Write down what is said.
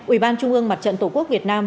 ủy ban trung ương mặt trận tổ quốc việt nam